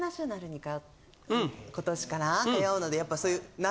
今年から通うのでやっぱそういう。